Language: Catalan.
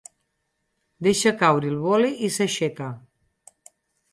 Deixa caure el boli i s'aixeca.